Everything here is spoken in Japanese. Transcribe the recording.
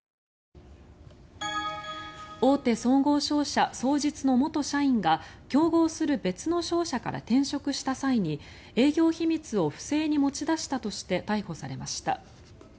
大手総合商社、双日の元社員が競合する別の商社から転職した際に営業秘密を不正に持ち出したとして逮捕されました。